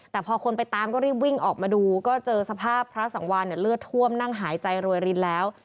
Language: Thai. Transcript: แต่พอคนไปตามก็รีบวิ่งออกมาดูก็เจอสภาพพระสังวานเลือดท่วมนั่งหายใจรวยรินแล้ว